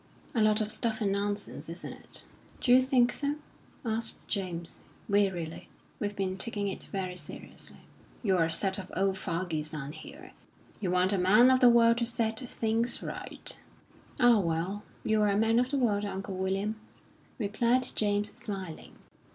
"A lot of stuff and nonsense, isn't it?" "D'you think so?" asked James, wearily. "We've been taking it very seriously." "You're a set of old fogies down here. You want a man of the world to set things right." "Ah, well, you're a man of the world, Uncle William," replied James, smiling.